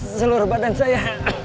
seluruh badan saya